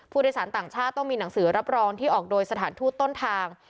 ผู้โดยสารต่างชาติต้องมีหนังสือรับรองที่ออกโดยสถานทุทธิ์ต้นทาง